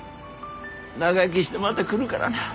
長生きしてまた来るからな。